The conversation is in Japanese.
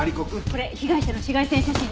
これ被害者の紫外線写真ね。